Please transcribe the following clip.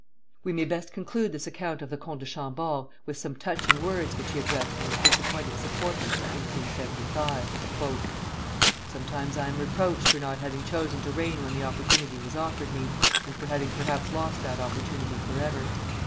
We may best conclude this account of the Comte de Chambord with some touching words which he addressed to his disappointed supporters in 1875: "Sometimes I am reproached for not having chosen to reign when the opportunity was offered me, and for having perhaps lost that opportunity forever.